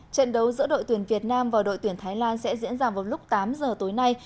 trận đấu giữa đội tuyển việt nam và đội tuyển thái lan sẽ diễn ra vào lúc tám giờ tối nay